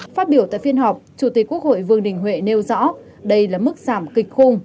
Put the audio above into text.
phát biểu tại phiên họp chủ tịch quốc hội vương đình huệ nêu rõ đây là mức giảm kịch khung